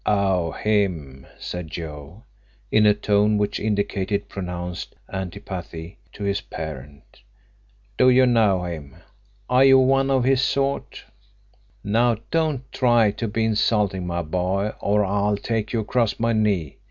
"Oh, him!" said Joe, in a tone which indicated pronounced antipathy to his parent. "Do you know him? Are you one of his sort?" "Now don't try to be insulting, my boy, or I'll take you across my knee.